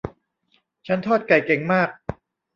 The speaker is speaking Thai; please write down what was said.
ฉันทอดไก่เก่งมาก